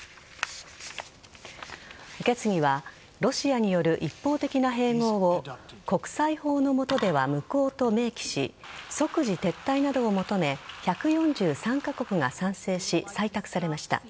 決議はロシアによる一方的な併合を国際法の下では無効と明記し即時撤退などを求め１４３カ国が賛成し採択されました。